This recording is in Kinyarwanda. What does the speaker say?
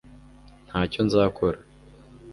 ntacyo nzakora